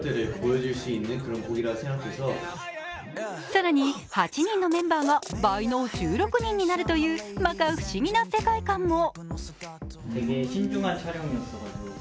更に８人のメンバーは倍の１６人になるというまか不思議な世界観も。